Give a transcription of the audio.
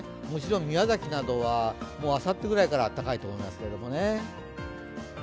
もちろん宮崎などは、あさってぐらいから暖かいと思います。